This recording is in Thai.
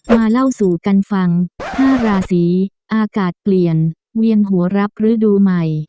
เล่าสู่กันฟัง๕ราศีอากาศเปลี่ยนเวียนหัวรับฤดูใหม่